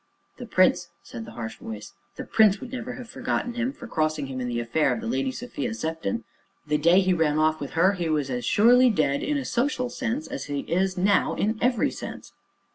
"The Prince," said the harsh voice, "the Prince would never have forgiven him for crossing him in the affair of the Lady Sophia Sefton; the day he ran off with her he was as surely dead in a social sense as he is now in every sense."